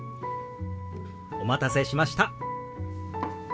お待たせしました。